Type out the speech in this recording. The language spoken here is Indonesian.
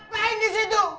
apa yang di situ